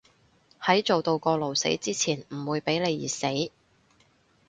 喺做到過勞死之前唔會畀你熱死